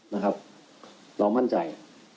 เรามั่นใจ